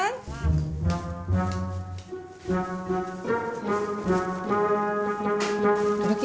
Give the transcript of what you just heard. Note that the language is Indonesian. assalamu'alaikum doesn't lie